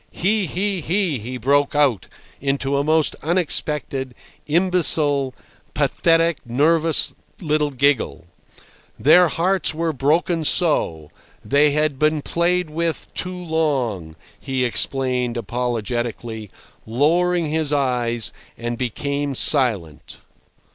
"He! he! he!" He broke out into a most unexpected, imbecile, pathetic, nervous little giggle. "Their hearts were broken so! They had been played with too long," he explained apologetically, lowering his eyes, and became silent.